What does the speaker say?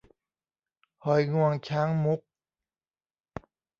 หอยงวงช้างมุก